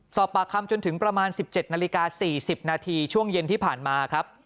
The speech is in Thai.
สอบปากคำจนถึงประมาณ๑๗นาฬิกา๔๐นาทีช่วงเย็นที่ผ่านมาครับ